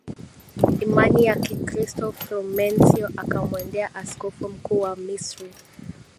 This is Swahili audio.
imani ya Kikristo Frumensyo akamwendea Askofu Mkuu wa Misri